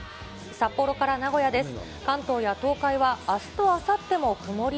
札幌から名古屋です。